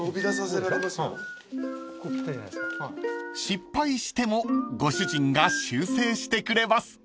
［失敗してもご主人が修正してくれます］